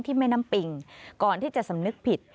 แม่น้ำปิงก่อนที่จะสำนึกผิด